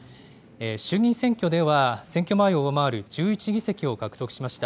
衆議院選挙では選挙前を上回る１１議席を獲得しました。